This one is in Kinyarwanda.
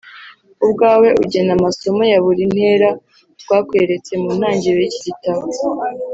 ubwawe ugena amasomo ya buri ntera twakweretse. Mu ntangiriro y’iki gitabo